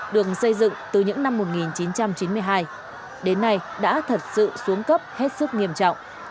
đường xây dựng từ những năm một nghìn chín trăm chín mươi hai đến nay đã thật sự xuống cấp hết sức nghiêm trọng